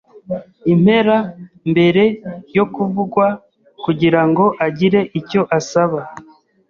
impera mbere yo kuvugwa kugirango agire icyo asaba